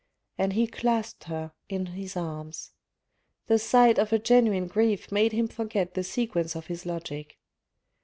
... And he clasped her in his arms : the sight of a genuine grief made him forget the sequence of his logic.